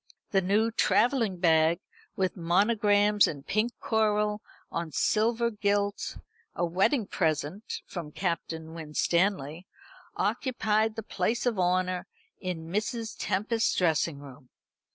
The new travelling bag, with monograms in pink coral on silver gilt, a wedding present from Captain Winstanley, occupied the place of honour in Mrs. Tempest's dressing room.